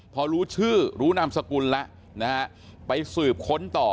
พอรู้ชื่อรู้นามสกุลแล้วนะฮะไปสืบค้นต่อ